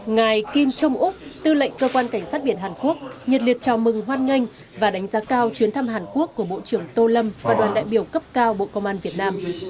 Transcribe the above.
ngài kim trung úc tư lệnh cơ quan cảnh sát biển hàn quốc nhiệt liệt chào mừng hoan nghênh và đánh giá cao chuyến thăm hàn quốc của bộ trưởng tô lâm và đoàn đại biểu cấp cao bộ công an việt nam